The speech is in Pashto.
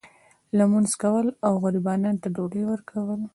لمونځ کول او غریبانو ته ډوډۍ ورکول.